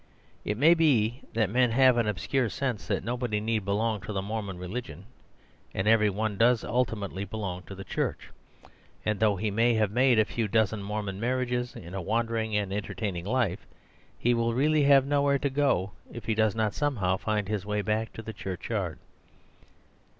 It may be that men have an obscure sense that nobody need belong to the Mor mon religion and every one does ultimately be long to the Church ; and though he may have made a few dozen Mormon marriages in a wandering and entertaining life, he will really have nowhere to go to if he does not somehow find his way back to the churchyard.